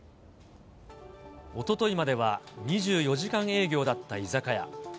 おとといまでは２４時間営業だった居酒屋。